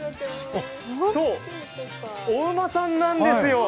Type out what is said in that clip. そう、お馬さんなんですよ。